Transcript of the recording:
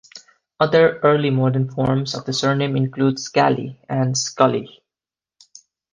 Other early modern forms of the surname include Scally and Skully.